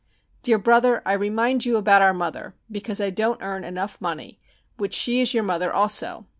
Dear Brother, I remind you about our mother, because I don't earn enough money, which she is your mother also.